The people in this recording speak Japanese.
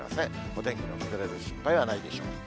お天気の崩れる心配はないでしょう。